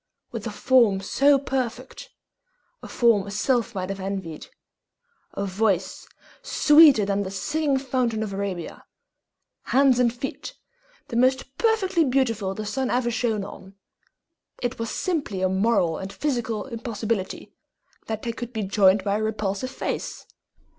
With a form so perfect a form a sylph might have envied a voice sweeter than the Singing Fountain of Arabia, hands and feet the most perfectly beautiful the sun ever shone on, it was simply a moral and physical impossibility that they could be joined to a repulsive face.